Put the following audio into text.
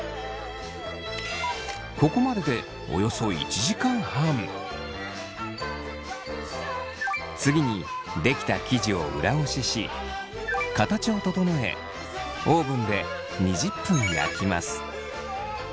ここまでで次に出来た生地を裏ごしし形を整えオーブンで２０分焼きます。